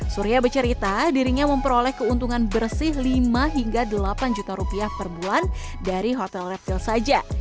surya bercerita dirinya memperoleh keuntungan bersih lima hingga delapan juta rupiah per bulan dari hotel reptil saja